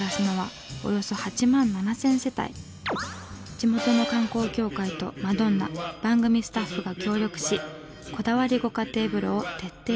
地元の観光協会とマドンナ番組スタッフが協力しこだわりご家庭風呂を徹底リサーチ。